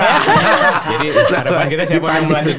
jadi harapan kita siapa yang melanjutkan